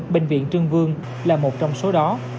bệnh viện trương vương là một trong số đó